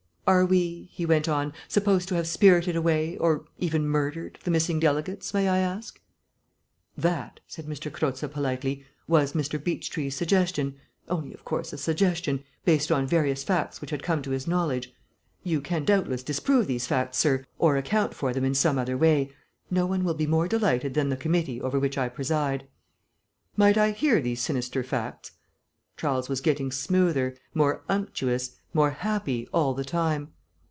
"Are we," he went on, "supposed to have spirited away, or even murdered, the missing delegates, may I ask?" "That," said M. Croza politely, "was Mr. Beechtree's suggestion only, of course, a suggestion, based on various facts which had come to his knowledge. You can, doubtless, disprove these facts, sir, or account for them in some other way. No one will be more delighted than the committee over which I preside." "Might I hear these sinister facts?" Charles was getting smoother, more unctuous, more happy, all the time.